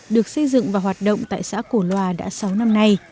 được xây dựng và hoạt động tại xã cổ loà đã sáu năm nay